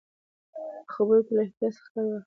په خبرو کې له احتیاط څخه کار واخلئ.